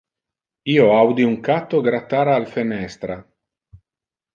Io audi un catto grattar al fenestra.